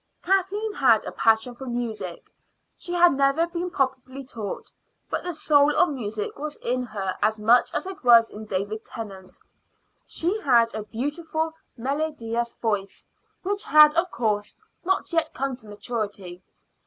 Kathleen had a passion for music; she had never been properly taught, but the soul of music was in her as much as it was in David Tennant. She had a beautiful melodious voice, which had, of course, not yet come to maturity.